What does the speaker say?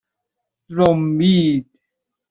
رُمبید